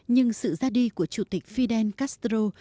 nhưng sự ra đi của chủ tịch fidel castro